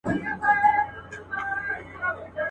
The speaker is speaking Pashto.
زما په مینه ورور له ورور سره جنګیږي.